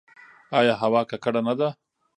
آیا هوا ککړه نه ده؟